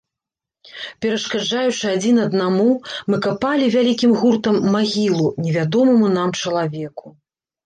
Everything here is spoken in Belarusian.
Перашкаджаючы адзін аднаму, мы капалі вялікім гуртам магілу невядомаму нам чалавеку.